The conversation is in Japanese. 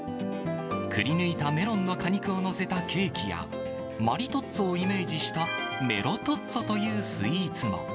くりぬいたメロンの果肉を載せたケーキや、マリトッツォをイメージした、メロトッツォというスイーツも。